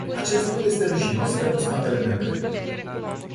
Acest lucru este rușinos pentru statele membre.